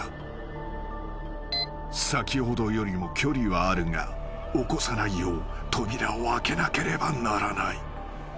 ［先ほどよりも距離はあるが起こさないよう扉を開けなければならない］